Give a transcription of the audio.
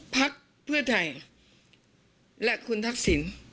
พักเพื่อไทยและคุณทักษิณ